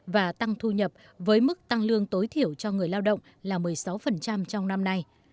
và tăng thu nhập với mức tăng lương tối thiểu cho người lao động là một mươi sáu trong năm nay